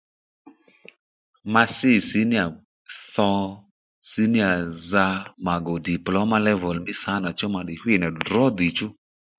Ma sî síníyà tho síníyà za ndèymí diploma level mí sâ nà chú ma tdè hwî nà drǒ